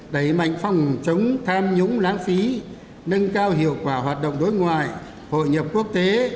đẩy mạnh phòng chống tham nhũng lãng phí nâng cao hiệu quả hoạt động đối ngoại hội nhập quốc tế